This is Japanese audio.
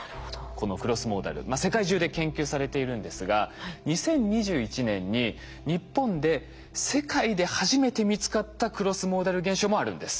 このクロスモーダル世界中で研究されているんですが２０２１年に日本で世界で初めて見つかったクロスモーダル現象もあるんです。